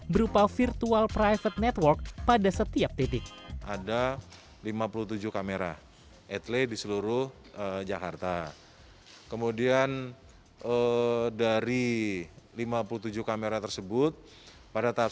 berupa fiber optik yang diperlukan untuk mengembangkan jaringan fiber optik